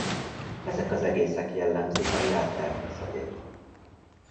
Ezek az egészek jellemzik a jel természetét.